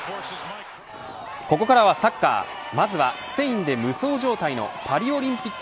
ここからはサッカー、まずは、スペインで無双状態のパリオリンピック